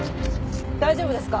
大丈夫ですか？